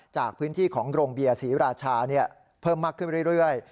จากพื้นที่ของโรงเบียร์ศรีราชาเพิ่มมากขึ้นเรื่อย